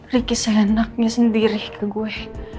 ricky sayang anaknya sendiri ke gue